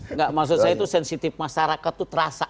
enggak maksud saya itu sensitif masyarakat itu terasa